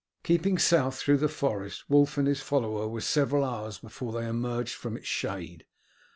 Keeping south through the forest Wulf and his follower were several hours before they emerged from its shade.